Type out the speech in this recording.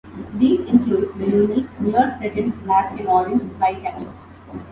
These include the unique near threatened black-and-orange flycatcher.